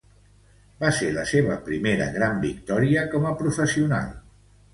Va ser la seua primera gran victòria com a professional.